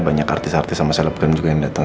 banyak artis artis sama selebgram juga yang datang